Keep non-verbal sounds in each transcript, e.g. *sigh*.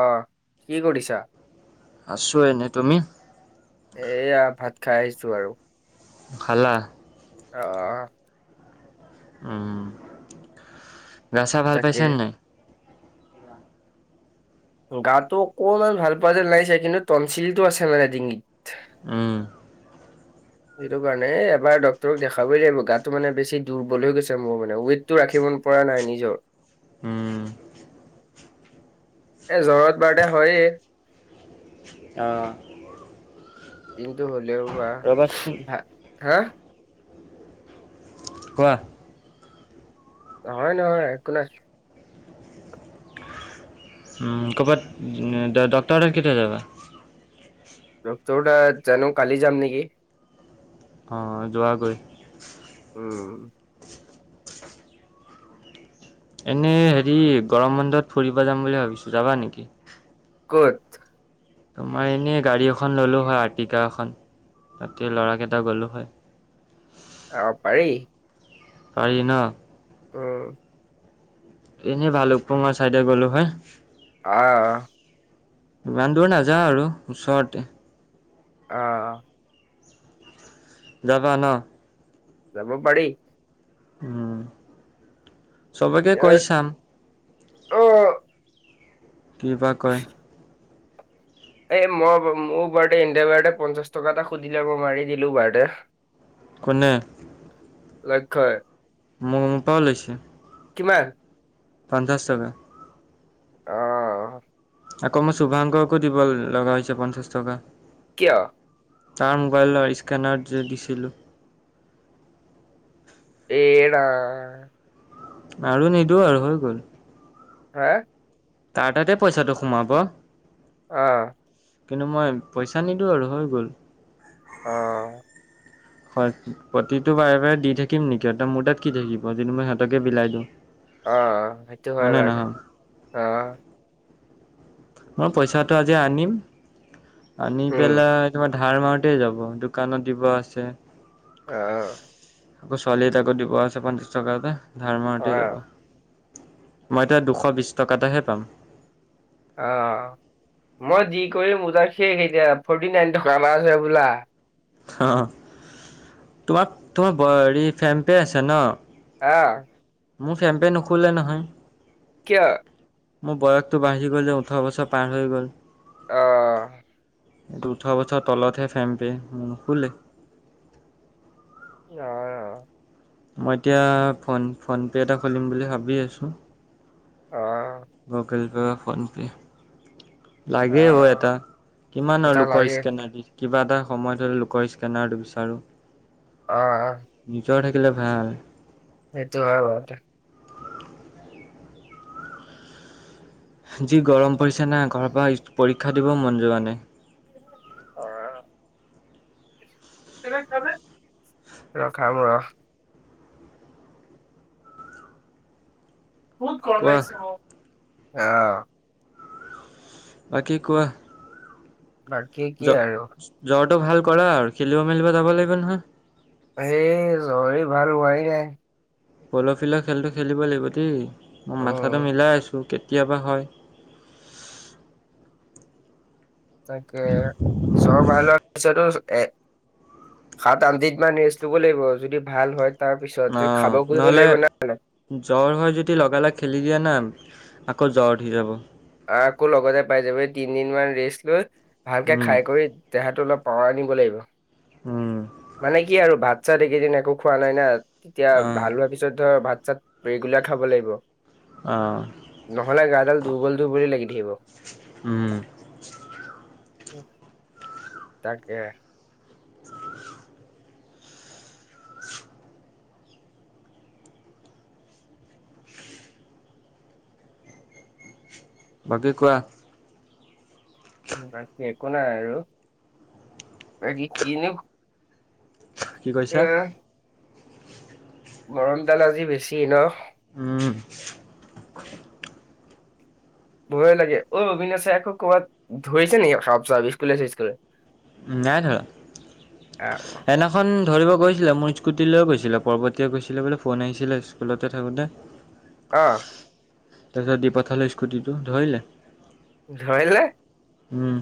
অহ কি কৰিছা *inaudible* আছো এনে তুমি এয়া ভাত খাই আহিছো আৰু খালা অহ ', উম, গাছা ভাল পাইছ তাকে নে নাই? গাটো অকণমান ভাল পোৱা যেন নাই চ কিন্তু তনচিলটো আছে মানে ডিংগিত। উম, সেইটো কাৰণে এবাৰ ডক্তৰক দেখাবই লাগিব গাতটো মানে বেছি দুৰ্বল হৈ গৈছে মোৰ মানে ৱেইটটো ৰাখিব। মোৰ পৰা নাই নিজৰ উম, এ জ্বৰত বাৰতে হয়ে। অ কিন্তু হলেও বা ৰ'বাচোন ভ হা *unintelligible* ৱাহ নহয়- নহয় একো নাই। ড- ডক্তৰৰ তাত কেতিয়া যাবা? ৰক্তটা জানো কালি যাম নেকি। অ', যোৱাগৈ। উম, এনে হেৰি গৰম বন্ধত ফুৰিব যাম বুলি ভাবিছো যাবা নেকি। কত? তোমাৰ এনেই গাড়ী এখন ললো হয় আৰ্টিকা এখন। ৰাতি ল'ৰাকেইটা গ'লো হয়। আহ পাৰি পাৰি ন। উম এনেই ভালুকপুঙৰ ছাইডে গ'লো হয়। আহ, ইমান দূৰ নাযাওঁ আৰু ওচৰতে অহ ', যাবা ন। যাব পাৰি। উম, চবকে এ কৈ চাম। অ', কিবা কয়। এই মই মোৰ বাৰডে ইণ্ডিয়া বাৰডে পঞ্চাশ টকা এটা সুধিলে মই মাৰি দিলো বাৰ্ডে। শনে লক্ষ্যই মোৰ পাও লৈছে। কিমান? পঞ্চাছ টকা। অহ ', আকৌ মই শুভাংকৰকো দিব লগা হৈছে পঞ্চাছ টকা। কিয়? তাৰ মোবাইলৰ স্কেনাৰ যে দিছিলো। এৰা আৰু নিদো আৰু হৈ গ'ল। হা তাৰ তাতে পইচাটো সোমাব। অহ ', কিন্তু মই পইচা নিদিও আৰু হৈ গ'ল। অহ ', হয় প্ৰতিটো বাৰে বাৰে দি থাকিম নেকিহত মোৰ তাত কি থাকিব যদিটো মই সিহতকে বিলাই দিও। আহ, সেইটো হয় বাৰু আহ। মই পইচাটো আজি আনিম আনি উম পেলাই তোমা। ধাৰ মাৰোতে যাব দোকানত দিব আছে। আহ। আকৌ ছোৱালি তাকো দিব আছে পঞ্চাছ টকাতে ধাৰ অ মাৰতে যাব। মই এতিয়া দুশ বিশ টকাতেহে পাম অহ। মই যি কৰিম *unintelligible* শেষ এতিয়া ফৰ্টি নাইন গ্ৰামাৰ যে বোলা। অ তোমাক তোমাৰ ব হেৰি ফেম পে আছে নহ। অহ। মোৰ ফেম পে নুখুলে নহয়। কিয় মোৰ বয়সতটো বাঢ়ি গ'ল যে ওঠোৰ বছৰ পাৰ হৈ গ'ল। অহ। এইটো উঠোৰ বছৰ তলত হে *unintelligible* অ। মই এতিয়া ফোন ফোন পে এটা খুলিম বুলি ভাবি আছো অ *inaudible* গুগেল পে ফোনপে। অ লাগে হ এটা কিমান আৰু এটা লোকৰ লাগে স্কেনাৰ দি কিবা এটা সময় হ'লে লোকৰ স্কেনাৰটো বিচাৰোঁ। অহ। জ্বৰ থাকিলে ভাল। এইেটো হয় বাৰু যি গৰম পৰিছে না ঘৰ পৰা পৰীক্ষা দিব মন যোৱা নাই। আহ *unintelligible* খাব ৰ। বহুত গৰম কোৱা লাগিছে অ অহ। বাকী কোৱা বাকি কি আৰু। টো ভাল কৰা আৰু খেলিব মেলিব যাব লাগিব নহয়। এ জ্বৰ ভাল হোৱাই নাই। পৰখিলৈ খেলটো খেলিব লাগিব দেই মই মাথাটো উম, মিলাই আছো কেতিয়াবা হয়। তাকে যোৱা ভাল তাৰপিছতো এ সাত আঠদিন মান ৰেষ্ট লব লাগিব যদি ভাল হয়। তাৰ পিছত অ খাব কৰিব নহ'লে লাগিব না জ্বৰ হয় যদি লগালগ খেলি দিয়া না। আকৌ জ্বৰ উঠি যাব। আ আকৌ লগতে পাই যাব এই তিনদিন মান ৰেষ্ট লৈ ভালকে খাই কৰি। দেহাঁটোত অলপ পাৱাৰ আনিব লাগিব। উম। মানে কি আৰু ভাত চাত এইকেইদিন একো খোৱা নাই না তেতিয়া ভাল হোৱা অঁ পিছতো ভাত চাত ৰেগুলাৰ খাব লাগিব। অঁ নহ'লে গাডাল দুৰ্বল দুৰ্বল লাগি থাকিব। *inaudible* তাকে। *inaudible* বাকি কোৱা। বাকী একো নাই আৰু বাকী কিনো। কি এ কৈছা। গৰমডাল আজি বেছি নহ। উম। *unintelligible* ভয় লাগে অ অবিনাসে আকো ক'ৰবাত ধৰিছে নেকি সাপ চাব স্কুললে থুস্কুলে। নাই আহ ধৰা এদনাখন ধৰিব গৈছিলে মোৰ স্কুটি লৈও গৈছিলে পৰ্বতীয়ে গৈছিলে বোলে ফোন আহিছিলে স্কুলতে থাকোঁতে। অ'। তাৰপিছত দি পঠালো স্কুটিটো ধৰিলে। ধৰিলে। উম।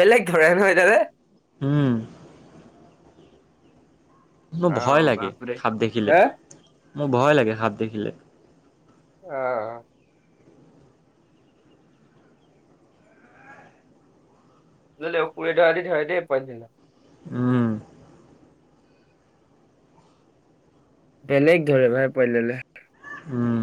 বেলেগ ধৰে ন এইদালে। উম। মোৰ অ ভয় লাগে বাপৰে সাপ দেখিলে হা মোৰ ভয় লাগে সাপ দেখিলে। অ'। সুুৰে ধৰা দি ধৰে দেই পোৱালিজনিয়ে। উম। বেলেগ ধৰে ভাই *unintelligible* উম।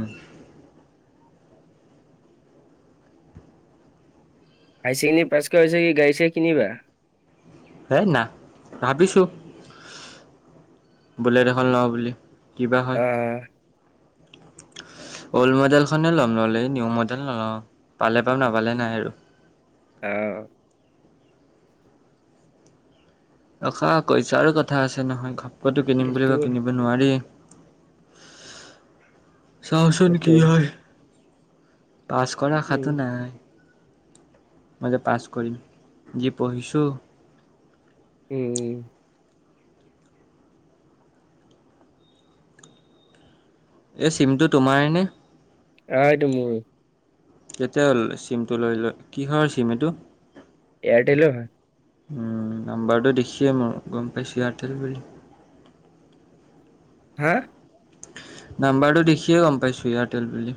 হায় ছেকেণ্ডেৰী পাছ কৰা হৈছে কি গাড়ী চাৰি কিনিবা। হে না ভাবিছো বোলেট এখন লওঁ বুলি। কিবা হয়। অ *inaudible* অল্ড মডেল খনে ল'ম ল'লে, নিউ মডেল নলওঁ পালে পাম নাপালে নাই আৰু। আহ। অ' খা পইচাৰো কথা আছে নহয় ঘাপকেটো কিনিম বুলি এইটো কৈ কিনিব নোৱাৰি। চাহচোন কি এইটো হয় পাছ কৰা উম আশাটো নাই। মই যে পাছ কৰিম যি পঢ়িছোঁ। উম। এই চিমটো তোমাৰনে? অ' এইটো মোৰ। কেতিয়া হ'ল চিমটো লৈ ল কি হয়ৰ চিম এইটো এয়াৰটেলৰ হয়। উম, নাম্বাৰটো দেখিয়ে মোৰ গম পাইছো ইয়াৰটেল বুলি। হা, নাম্বাৰটো দেখিয়ে গম পাইছো এয়াৰটেল বুলি।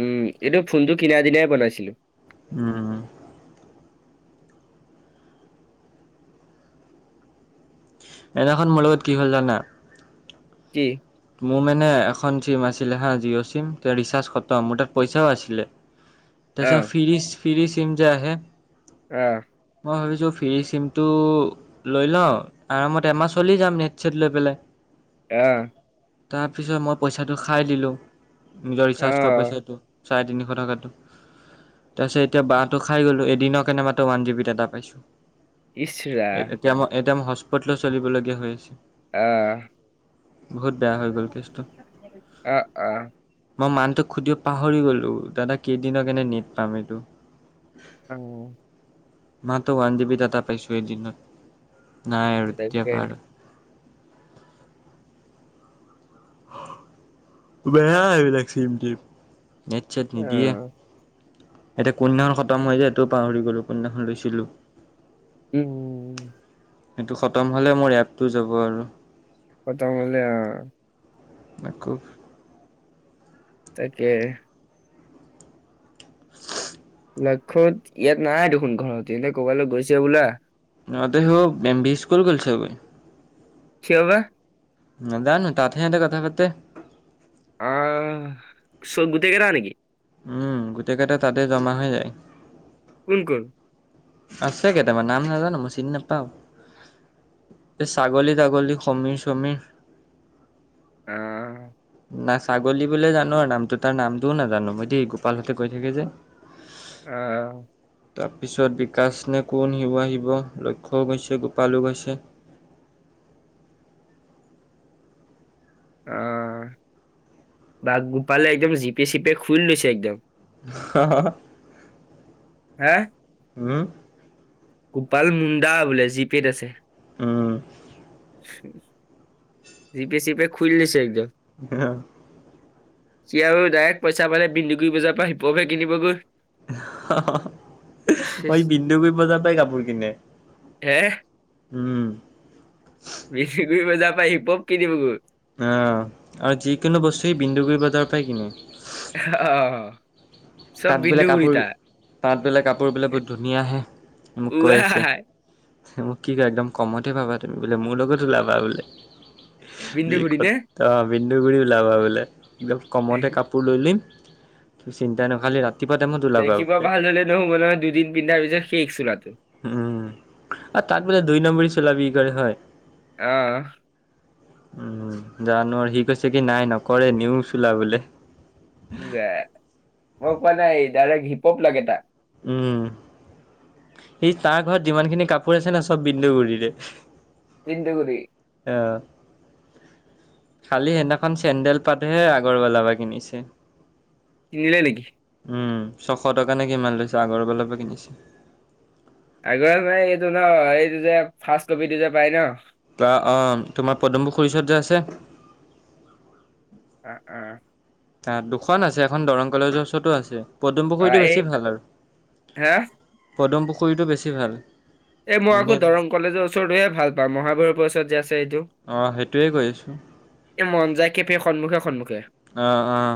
উম, এইটো ফোনটো কিনা দিনাই বনাইছিলো। উম। সেইনাখন মোৰ লগত কি হ'ল জানা। কি। মোৰ মানে এখন চিম আছিলে হা, জিঅ' চিম তে ৰিচাৰ্জ খতম মোৰ তাত পইচাও আছিলে। আহ, তাৰপিছত ফিৰি- ফিৰি চিম যে আহে। অ'। মই ভাবিছোঁ ফ্ৰী চিমটো লৈ লওঁ আৰামত এমাহ চলি যাম নেট ছেট লৈ পেলাই। অ'। তাৰ পিছত মই পইচাটো খাই দিলো নিজৰ ৰিচাৰ্জ কৰা আহ, পইচাটো চাৰে তিনিশ টকাটো। তাৰপিছত এতিয়া বাহটো খাই গলো, এদিনৰ কাৰণে মাত্ৰ ওৱান জি বি ডাটা পাইছো। ইচৰা এ-এতিয়া মই, এতিয়া ম, হতস্পট লৈ চলিবলগীয়া হৈ আছে। আহ- বহুত বেয়া হৈ গ'ল কেছটো। আ - আহ। মই মানটোক সুধিব পাহৰি গলো, দাদা কেইদিনৰ কাৰণে নেট পাম এইটো। উম। মইতো ওৱান যিবি ডাটা পাইছোঁ এদিনত নাই আৰু তাকে তেতিয়াপা আৰু। বেয়া সেইবিলাক চিমটিম নেট চেট নিদিয়ে। আহ, এতিয়া কোনদিনাখন খতম হৈ যায় এইটোও পাহৰি গ'লো, কোনদিনাখন লৈছিলোঁ। উম। সেইটো খতম হ'লে মোৰ এপটো যাব আৰু। পতামলা *inaudible* ন খুব *inaudible* তাকে। *unintelligible* লক্ষ্যত ইয়াত নাই দেখোন ঘৰত এহ ক'ৰবালৈ গৈছে বোলে। অ দে হ এম বি স্কুল কছে ব *inaudible* খবা *inaudible* নাজানো তাতে কথা পাতে। *inaudible* আহ চব গোটেই কেইটা নেকি? উম, গোটেই কেইটা তাতে জমা হৈ যায়। কোন কোন? আছে কেইটামান নাম নাজানো মই চিনি নাপাও। এই ছাগলী তাগলী সমীৰ সমীৰ। অঁ। নাই ছাগলী বোলে জানো আৰু নামটো তাৰ নামটোও নাজানো মই দেই গোপালহঁতে কৈ থাকে যে। অ' তাৰপিছত বিকাশ নে কোন শিউ আহিব লক্ষ্যয়ও গৈছে গোপালো গৈছে। *inaudible* অ' বা গোপালে একদম জিপে চিপে খুলি লৈছে একদম। হা? উ গোপাল মুণ্ডা বোলে, জি পেেত আছে উম। চিপে- চিপে খুলি দিছে একদ অ সি আৰু ডাইৰেক্ট পইচা পালে বিন্দুগুৰি বজাৰ পৰা হিপহফহে কিনিবগৈ। মই বিন্দুগুৰি বজাৰ পৰাই কাপোৰ কিনে *inaudible* হে? উম *unintelligible* বজাৰৰ পৰা হিপহপ কিনিবগৈ। অ', আৰু যিকোনো বস্তু সি বিন্দুগুৰি বজাৰৰ পৰাই কিনে। আহ চব তাত বোলে বিন্দুগুৰি‌ কাপোৰ তাৰ। তাত বোলে কাপোৰ বিলাকো ধুনীয়া আহে, মোক কৈ উৱা আছে। সি মোক কি কয়, একদম কমতে পাবা তুমি বোলে, মোৰ লগত ওলাবা বোলে। যি বিন্দুগুৰি নে কথা! বিন্দুগুৰি ওলাবগৈ বোলে, একদম কমতে কাপোৰ লৈদিম *inaudible* দেখিব ভাল হলে নহ'ব নহয়, দুদিন পিন্ধাৰ পিছত *unintelligible* চোলাত। উম, আৰু তাত বোলে দুই নম্বৰী চোলা বিক্ৰী কৰে হয়? অ' উম, জানো আৰু, সি কৈছে কি নাই নকৰে, নিও চোলা বোলে মই কোৱা নাই, ডাইৰেক্ট হিপহপ লাগে তাক। উম সেই তাৰ ঘৰত যিমান খিনি কাপোৰ আছে নহয়, চব বিন্দুগুৰিৰে। বিন্দুগুৰি। অ' খালি সেইদিনাখন চেণ্ডেল পাতহে আগৰৱালাৰপা কিনিছে। কিনিলে নেকি? উম, ছশ টকা নে কিমান লৈছে, আগৰৱালাৰ পৰা কিনিছে। *unintelligible* অ, অ', তোমাৰ পদম পুখুৰীৰ ওচৰত যে আছে অ উ আ, দুখন আছে, এখন দৰং কলেজৰ ওচৰতো আছে। পদম অ পুখুৰীটো এই বেছি ভাল আৰু হা পদম পুখুৰীটো বেছি ভাল এ মই আকৌ ধুনীয়া দৰং কলজৰ ওচৰৰটোহে ‌ভাল পাওঁ, মহাভৈৰৱৰ ওচৰত যে আছে এইটো। অ সেইটোৱে কৈ আছো মন যায় খেপে সন্মুখে সন্মুখে অ, অ'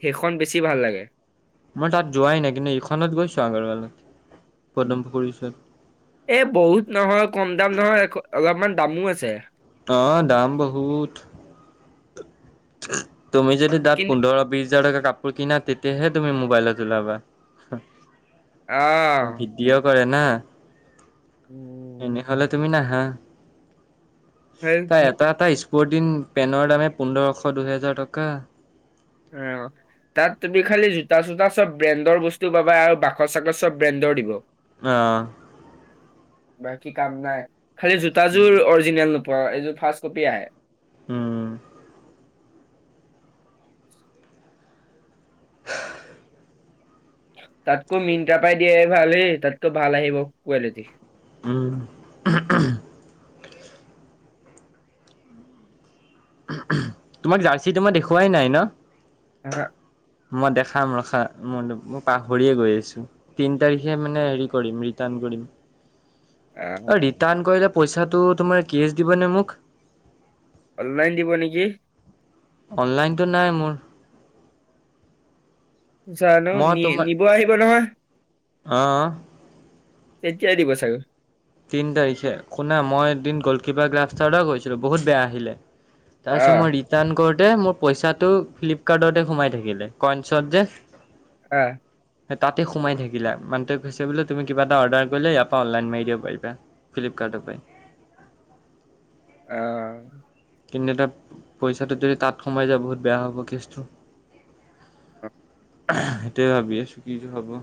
সেইখন বেছি ভাল লাগে। মই তাত যোৱাই নাই কিন্তু এইখনত গৈছো আগৰৱালা এ বহুত নহয় কম দাম নহয় এ অলপমান দামো আছে অ, দাম বহুত তুমি যদি তাত কিন্তু পোন্ধৰ বিশ হাজাৰ টকা কাপোৰ কিনা তেতিয়াহে তুমি মোবাইলত ওলাবা আহ ভিডিঅ কৰে না উম এনেহলে তুমি নাহ সেই তাৰ‍ এটা এটা স্পৰ্টিং, পেনৰ দামে পোন্ধৰশ ছশ দুহেজাৰ টকা অ তাত তুমি খালি জোতা চোতা চব ব্ৰেণ্ডৰ বস্তু পাবা আৰু বাখত চাকত চব ব্ৰেণ্ডৰ দিব আহ বাকী কাম নাই। খালি জোতাযোৰ অৰিজিনেল নোপোৱা, এইযোৰ ফাৰ্ষ্ট কপি আহে উম *unintelligible* তাতকৈ মিনটা পাই দিয়ে ভাল হ তাতকৈ ভাল আহিব কোৱালিটি উ তোমাক জাৰ্চি তোমই দেখুুৱাই নাই ন আহা, মই দেখাম ৰখা ম, মই পাহৰিয়ে গৈ আছো, তিন তাৰিখে মানে হেৰি কৰিম, ৰিটাৰ্ণ কৰিম। কৰিলে পইচাটোৰ দিব নে মোক অনলাইন দিব নেকি অনলাইনতটো নাই মোৰ জানো নি নিব আহিব নহয় আহ এতিয়াই দিব চাগৈ! তিনি তাৰিখে শুনা মই এদিন গলকিপাৰ গ্লাভ অৰ্ডাৰ কৰিছিলো বহুত বেয়া আহিলে তাছত আহ মই ৰিটাৰ্ণ কৰ মোৰ পইচাটো ফ্লিপকাৰ্টতে সোমাই থাকিলে কইনছত যে আহ তাতে সোমাই থাকিলা মানুটোৱে কৈছে বোলে তুমি কিব এটা অৰ্ডাৰ কৰিলে ইয়াৰ পৰা অনলাইন মাৰ দিব পাৰিম ফ্লিপকাৰ্টৰপাই। আহ। কিন্তু এটা পইচাটো যদি তাত সোমাই যায় বহুত বেয়া হ'ব কেছটো সেইটোৱে ভাবি আছোঁ কিনো হব *inaudible*